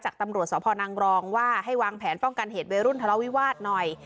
ตำรวจสพนังรองว่าให้วางแผนป้องกันเหตุวัยรุ่นทะเลาวิวาสหน่อย